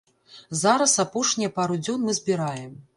Зараз апошнія пару дзён мы збіраем.